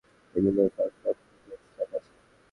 টেবিলেও তার সব ডিটেইলস রাখা আছে।